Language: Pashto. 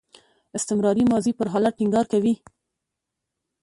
استمراري ماضي پر حالت ټینګار کوي.